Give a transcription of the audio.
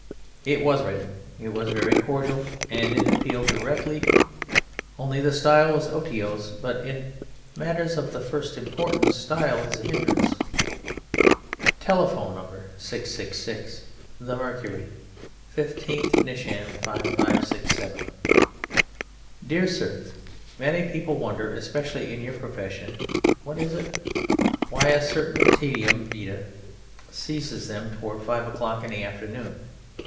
It was written. It was very cordial, and it appealed directly, only the style was otiose, but in matters of the first importance style is a hindrance. Telephone No. 666. The Mercury, 15th Nishan 5567. Dear Sir, Many people wonder, especially in your profession, [what is It?] _why a certain Taedium Vitae seizes them towards five o'clock in the afternoon.